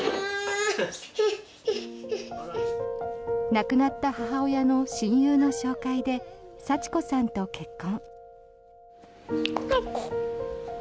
亡くなった母親の親友の紹介でさちこさんと結婚。